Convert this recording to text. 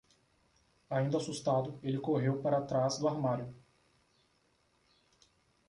Ainda assustado, ele correu para atrás do armário.